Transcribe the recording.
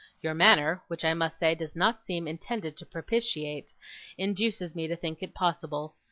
Your manner, which I must say does not seem intended to propitiate, induces me to think it possible.